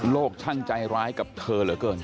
ช่างใจร้ายกับเธอเหลือเกิน